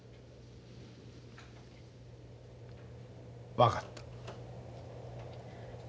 分かった。